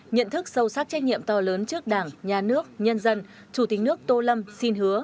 nhận thức sâu sắc trách nhiệm to lớn trước đảng nhà nước nhân dân chủ tịch nước tô lâm xin hứa